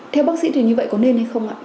theo bác sĩ thì như vậy có nên hay không ạ